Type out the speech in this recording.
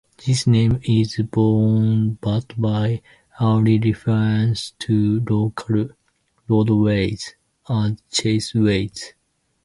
This name is borne out by early reference to local roadways as chaseways.